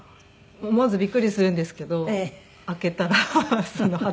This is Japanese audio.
思わずびっくりするんですけど開けたら裸の方たちが。